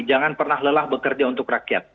jangan pernah lelah bekerja untuk rakyat